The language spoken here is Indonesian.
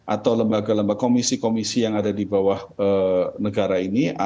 atau lembaga lembaga komisi komisi yang ada di bawah negara ini